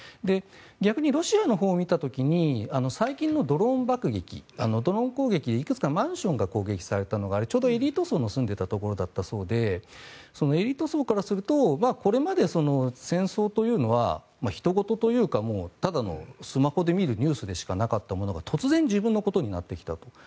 逆にロシアのほうを見た時に最近のドローン爆撃でいくつかマンションが攻撃されたのがちょうどエリート層が住んでいたところだったそうでエリート層からするとこれまで戦争というのはひと事というかただのスマホで見るニュースでしかなかったものが突然自分のことになってきたと。